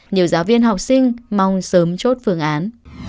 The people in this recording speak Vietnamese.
nhiều giáo viên học sinh mong sớm chốt phương án